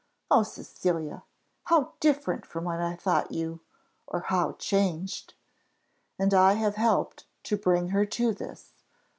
O Cecilia! how different from what I thought you or how changed! And I have helped to bring her to this!